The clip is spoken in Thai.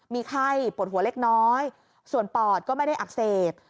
มีไข้ปวดหัวเล็กน้อยส่วนปอดก็ไม่ได้อักเสบ